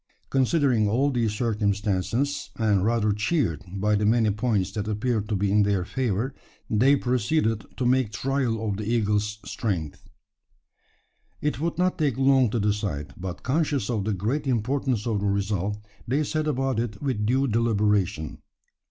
Considering all these circumstances, and rather cheered by the many points that appeared to be in their favour, they proceeded to make trial of the eagle's strength. It would not take long to decide; but conscious of the great importance of the result, they set about it with due deliberation.